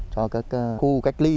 cho các khu cách ly